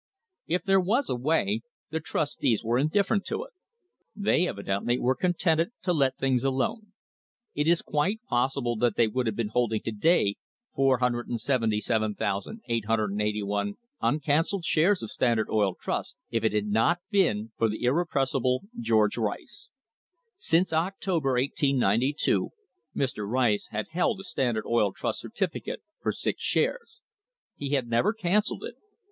If there was a way, the trustees were indifferent to it. They evidently were contented to let things alone. It is quite possi ble that they would have been holding to day 477,881 uncan celled shares of Standard Oil Trust if it had not been for the irrepressible George Rice. Since October, 1892, Mr. Rice had held a Standard Oil Trust certificate for six shares. He had never cancelled it.